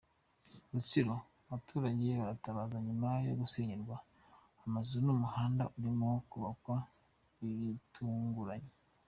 Rutsiro:Abaturage baratabaza nyuma yo gusenyerwa amazu n’umuhanda urimo kubakwa bitunguranye.